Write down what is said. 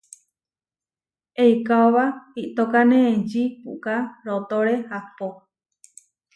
Eikaóba iʼtókane enčí puʼká rootóre ahpó.